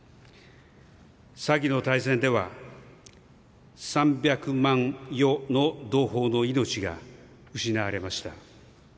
先の大戦では、三百万余の同胞の命が失われました。